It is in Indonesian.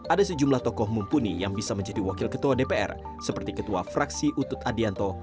ada sejumlah tokoh mumpuni yang bisa menjadi wakil ketua dpr seperti ketua fraksi utut adianto